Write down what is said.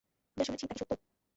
যা শুনেছি তা কি সত্য?